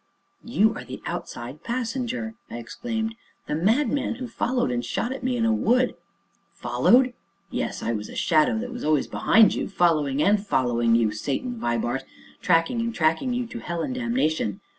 "You are the Outside Passenger!" I exclaimed, "the madman who followed and shot at me in a wood " "Followed? Yes, I was a shadow that was always behind you following and following you, Satan Vibart, tracking and tracking you to hell and damnation.